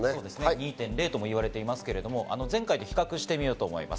２．０ともいわれていますが、前回と比較してみます。